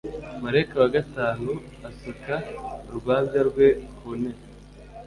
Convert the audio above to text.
Marayika wa gatanu asuka urwabya rwe ku ntebe